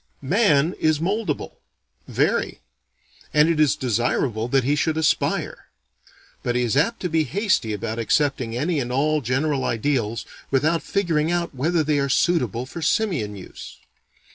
Man is moldable; very; and it is desirable that he should aspire. But he is apt to be hasty about accepting any and all general ideals without figuring out whether they are suitable for simian use.